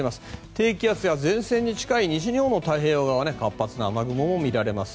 低気圧や前線に近い西日本の太平洋側は活発な雨雲も見られます。